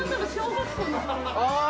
ああ。